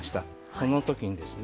その時にですね